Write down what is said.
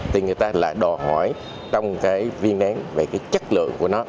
thì người ta lại đòi hỏi trong viên nén về chất lượng của nó